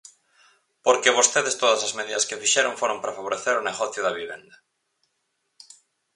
Porque vostedes todas as medidas que fixeron foron para favorecer o negocio da vivenda.